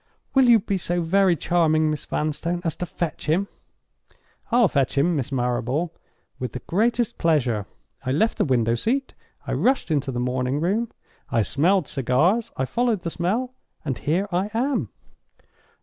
'—'Will you be so very charming, Miss Vanstone, as to fetch him?'—'I'll fetch him, Miss Marrable, with the greatest pleasure.' I left the window seat—I rushed into the morning room—I smelled cigars—I followed the smell—and here I am."